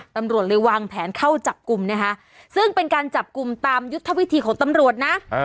ตำรวจเลยวางแผนเข้าจับกลุ่มนะคะซึ่งเป็นการจับกลุ่มตามยุทธวิธีของตำรวจนะ